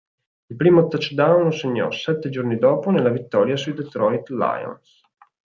Il primo touchdown lo segnò sette giorni dopo nella vittoria sui Detroit Lions.